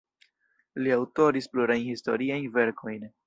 Li aŭtoris plurajn historiajn verkojn.